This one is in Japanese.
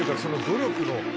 その努力の。